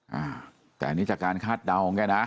อ่าแต่อันนี้จากการคาดเดาของแกนะ